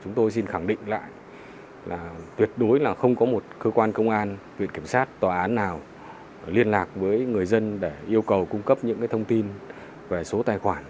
chúng tôi xin khẳng định lại là tuyệt đối là không có một cơ quan công an viện kiểm sát tòa án nào liên lạc với người dân để yêu cầu cung cấp những thông tin về số tài khoản